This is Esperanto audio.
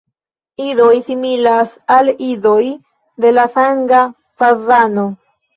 Idoj similas al idoj de la Sanga fazano.